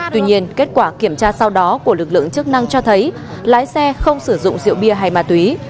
tuy nhiên kết quả kiểm tra sau đó của lực lượng chức năng cho thấy lái xe không sử dụng rượu bia hay ma túy